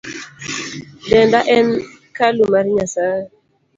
Denda en kalu mar nyasae.